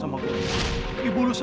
jadi bu rati nanti itu dulu